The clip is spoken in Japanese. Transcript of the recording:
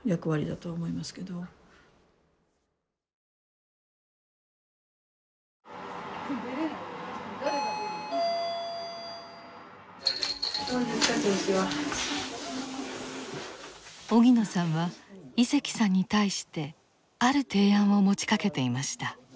考えられないっていうかその荻野さんは井関さんに対してある提案を持ちかけていました。